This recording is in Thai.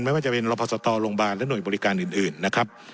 ไม่ว่าจะเป็นรพสตโรงพยาบาลและหน่วยบริการอื่นนะครับ